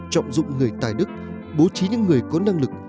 trọng dụng người tài đức bố trí những người có năng lực